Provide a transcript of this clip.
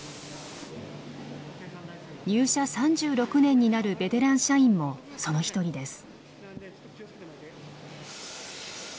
入社３６年になるベテラン社員もその一人です。